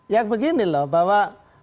ya begini loh bahwa